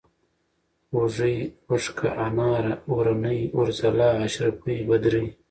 اوږۍ ، اوښکه ، اناره ، اورنۍ ، اورځلا ، اشرفۍ ، بدرۍ